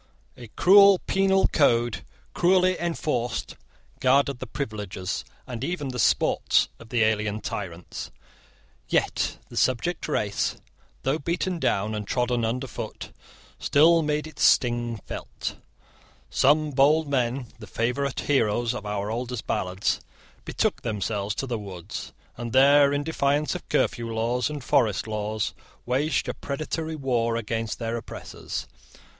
A cruel penal code, cruelly enforced, guarded the privileges, and even the sports, of the alien tyrants. Yet the subject race, though beaten down and trodden underfoot, still made its sting felt. Some bold men, the favourite heroes of our oldest ballads, betook themselves to the woods, and there, in defiance of curfew laws and forest laws, waged a predatory war against their oppressors.